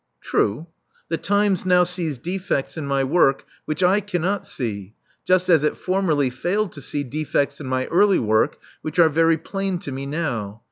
"True. The Times now sees defects in my work which I cannot see, just as it formerly failed to see defects in my early work which are very plain to me now.